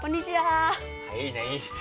いいねいいね。